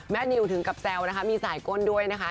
นิวถึงกับแซวนะคะมีสายก้นด้วยนะคะ